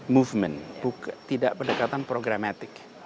movement tidak berdekatan programatik